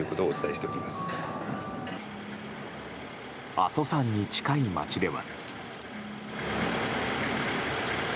阿蘇山に近い町では。